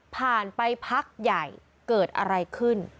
ผ่านไปพักใหญ่เกิดอะไรขึ้น